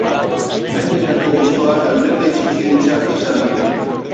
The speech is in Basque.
Gainerako botoak alderdi txikientzat izan dira.